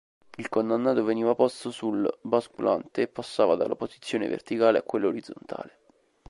Il condannato veniva posto sul basculante e passava dalla posizione verticale a quella orizzontale.